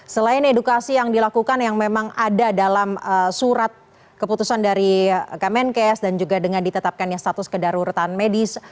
selain edukasi yang dilakukan yang memang ada dalam surat keputusan dari kemenkes dan juga dengan ditetapkannya status kedaruratan medis